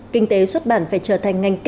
kinh tế xuất bản phải trở thành ngành kết quả